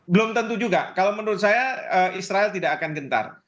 belum tentu juga kalau menurut saya israel tidak akan gentar